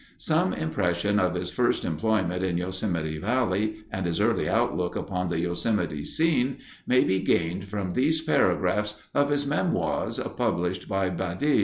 Some impression of his first employment in Yosemite Valley and his early outlook upon the Yosemite scene may be gained from these paragraphs of his memoirs published by Badè.